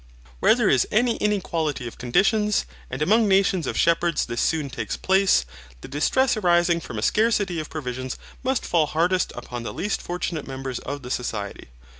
Where there is any inequality of conditions, and among nations of shepherds this soon takes place, the distress arising from a scarcity of provisions must fall hardest upon the least fortunate members of the society.